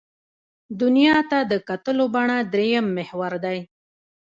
دنیا ته د کتلو بڼه درېیم محور دی.